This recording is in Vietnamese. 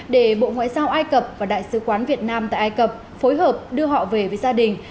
để bộ ngoại giao ai cập và đại sứ quán việt nam tại ai cập phối hợp đưa họ về với gia đình